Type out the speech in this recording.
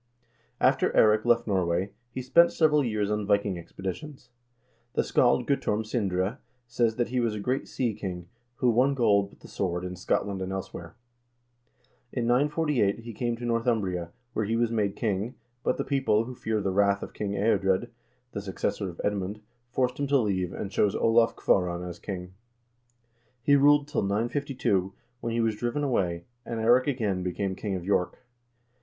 After Eirik left Norway, he spent several years on Viking expedi tions. The scald Guttorm Sindre says that he was a great sea king, who won gold with the sword in Scotland and elsewhere. In 948 he came to Northumbria,1 where he was made king, but the people, who feared the wrath of King Eadred, the successor of Edmund, forced him to leave, and chose Olav Kvaaran king. He ruled till 952, when he was driven away, and Eirik again became king of York.